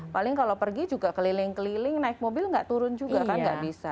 paling kalau pergi juga keliling keliling naik mobil nggak turun juga kan nggak bisa